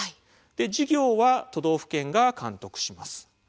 事業は都道府県が監督します。